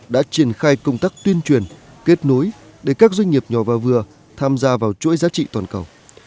đã triển khai công tác tuyên truyền kết nối để các doanh nghiệp nhỏ và vừa tham gia vào chuỗi giá trị toàn cầu